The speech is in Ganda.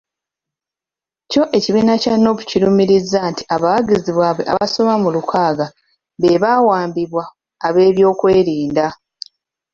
Kyo ekibiina kya Nuupu kirumiriza nti abawagizi baabwe abasoba mu lukaaga be baawambibwa ab'ebyokwerinda.